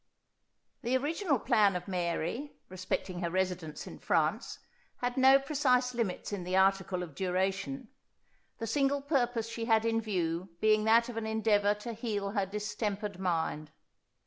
The original plan of Mary, respecting her residence in France, had no precise limits in the article of duration; the single purpose she had in view being that of an endeavour to heal her distempered mind.